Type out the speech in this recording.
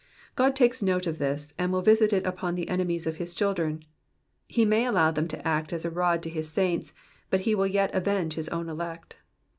God takes note of this, and will visit it upon the enemies of his children ; he may allow them to act as a rod to his saints, but he will yet avenge his own elect.